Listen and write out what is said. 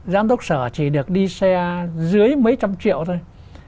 giám đốc sở chỉ được đi xe dưới mấy trăm triệu thôi